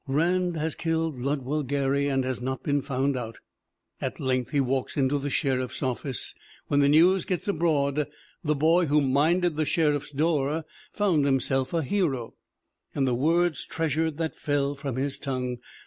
Rand has killed Ludwell Gary and has not been found out. At length he walks into the sheriff's office. When the news gets abroad "the boy who minded the sheriff's door found himself a hero, and the words treasured that fell from his tongue."